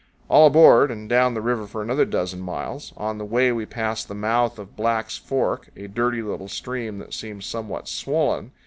"All aboard," and down the river for another dozen miles. On the way we pass the mouth of Black's Fork, a dirty little stream that seems somewhat swollen.